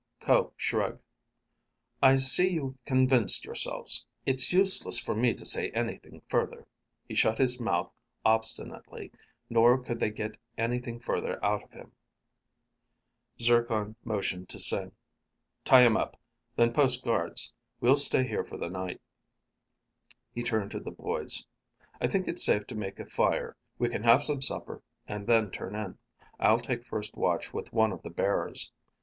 Ko shrugged. "I see you've convinced yourselves. It's useless for me to say anything further." He shut his mouth obstinately, nor could they get anything further out of him. Zircon motioned to Sing. "Tie him up. Then post guards. We'll stay here for the night." He turned to the boys. "I think it's safe to make a fire. We can have some supper and then turn in. I'll take first watch with one of the bearers.